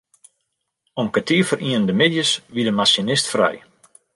Om kertier foar ienen de middeis wie de masinist frij.